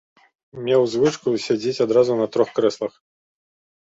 Меў звычку сядзець адразу на трох крэслах.